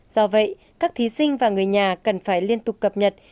do vậy các thí sinh và người nhà cần phải liên tục cập nhật